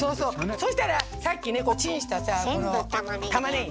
そしたらさっきねチンしたさこのたまねぎ。